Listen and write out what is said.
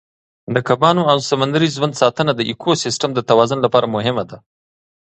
د کبانو او سمندري ژوند ساتنه د ایکوسیستم د توازن لپاره مهمه ده.